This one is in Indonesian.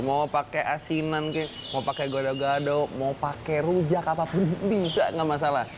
mau pakai asinan mau pakai gado gado mau pakai rujak apapun bisa nggak masalah